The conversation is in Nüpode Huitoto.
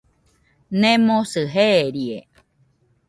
Nemosɨ jeerie.